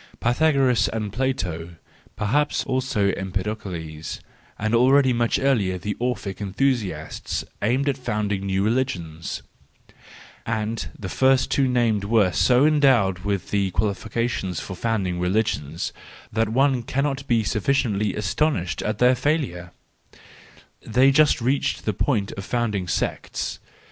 Pythagoras and Plato, perhaps also Empedocles, and already much earlier the Orphic enthusiasts, aimed at founding new religions; and the two first named were so endowed with the qualifications for founding religions, that one can¬ not be sufficiently astonished at their failure : they just reached the point of founding sects.